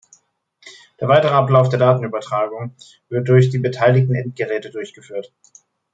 Der weitere Ablauf der Datenübertragung wird durch die beteiligten Endgeräte durchgeführt.